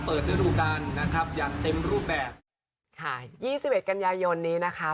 เปิดฤดูการนะครับอย่างเต็มรูปแบบค่ะยี่สิบเอ็ดกันยายนนี้นะคะ